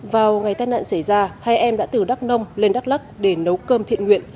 vào ngày tai nạn xảy ra hai em đã từ đắk nông lên đắk lắc để nấu cơm thiện nguyện